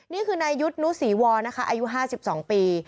นี่คือนายยุทธ์นุศรีวรนะคะอายุ๕๒ปี